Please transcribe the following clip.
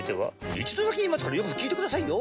一度だけ言いますからよく聞いてくださいよ。